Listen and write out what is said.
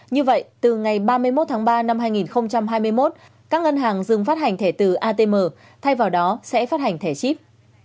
như vậy từ ngày ba mươi một tháng ba năm hai nghìn hai mươi một các ngân hàng dừng phát hành thẻ từ atm thay vào đó sẽ phát hành thẻ chip